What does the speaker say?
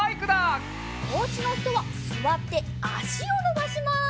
おうちのひとはすわってあしをのばします。